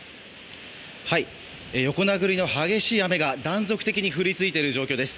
横殴りの激しい雨が断続的に降り続いている状況です。